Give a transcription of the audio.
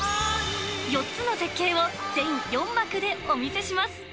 ４つの絶景を全四幕でお見せします。